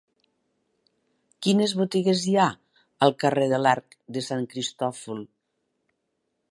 Quines botigues hi ha al carrer de l'Arc de Sant Cristòfol?